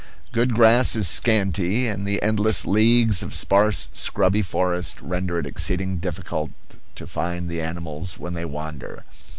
Good grass is scanty, and the endless leagues of sparse, scrubby forest render it exceedingly difficult to find the animals when they wander.